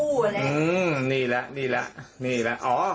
ไรอืมนี่แหละนี่แหละนี่แหละอ๋อแบบไม่เล่ี่ยง